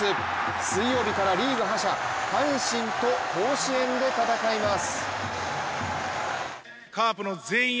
水曜日からリーグ覇者、阪神と甲子園で戦います。